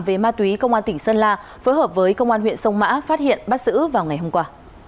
về ma túy công an tỉnh sơn la phối hợp với công an huyện sông mã phát hiện bắt giữ vào ngày hôm qua